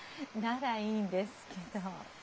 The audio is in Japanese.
ならいいんですけど。